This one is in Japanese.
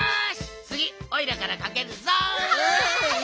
おいらからかけるぞ！